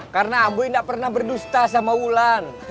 karena ambo gak pernah berdusta sama ulan